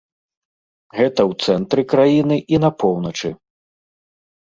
Гэта ў цэнтры краіны і на поўначы.